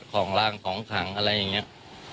ของร่างของขังอะไรอย่างนี้